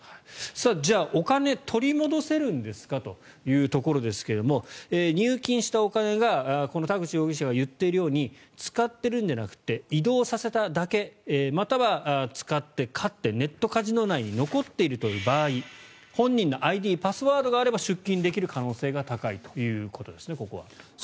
じゃあお金を取り戻せるんですかというところですが入金したお金が田口容疑者が言っているように使っているんじゃなくて移動させただけまたは使って勝ってネットカジノ内に残っているという場合本人のＩＤ、パスワードがあれば出金できる可能性が高いということですね。